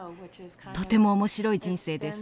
とても面白い人生です。